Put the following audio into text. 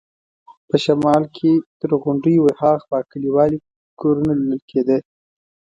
په شمال کې تر غونډیو ورهاخوا کلیوالي کورونه لیدل کېده.